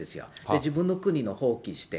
自分の国を放棄して。